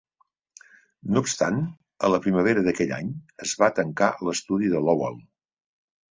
No obstant, a la primavera d'aquell any es va tancar l'estudi de Lowell.